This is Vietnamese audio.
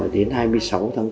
đến hai mươi sáu tháng bốn